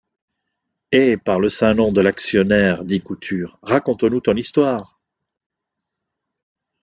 Hé, par le saint nom de l’Actionnaire, dit Couture, raconte-nous ton histoire?